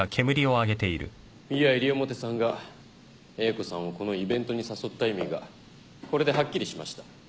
ミア西表さんが英子さんをこのイベントに誘った意味がこれではっきりしました。